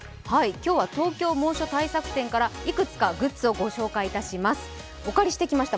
今日は東京猛暑対策展からいくつかグッズをご紹介していきます。